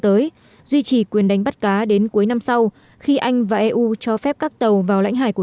tới duy trì quyền đánh bắt cá đến cuối năm sau khi anh và eu cho phép các tàu vào lãnh hải của